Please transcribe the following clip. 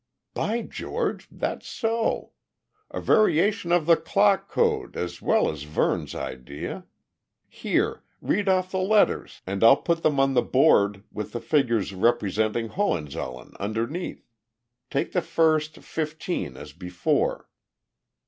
"By George! that's so! A variation of the 'clock code' as well as Verne's idea. Here, read off the letters and I'll put them on the board with the figures representing Hohenzollern underneath. Take the first fifteen as before."